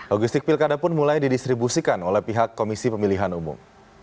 logistik pilkada pun mulai didistribusikan oleh pihak komisi pemilihan umum